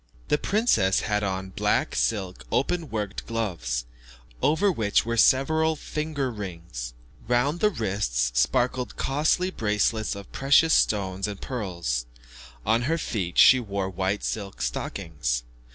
The princess had on black silk open worked gloves, over which were several finger rings. Round the wrists sparkled costly bracelets of precious stones and pearls. On her feet she wore white silk stockings.